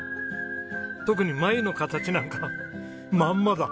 特に眉の形なんかまんまだ！